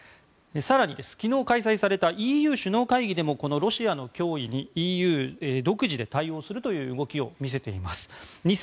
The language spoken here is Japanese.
更に昨日開催されたＥＵの首脳会議でもこのロシアの脅威にＥＵ独自で対応するという動きを見せています。